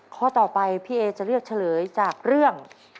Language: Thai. ข้อต่อไปพี่เอจะเลือกเฉลยจากเรื่อง